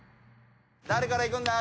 誰からいくんだ？